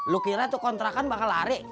lu kira itu kontrakan bakal lari